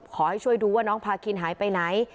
ขอให้ช่วยดูว่าน้องพาคินหายไปไหน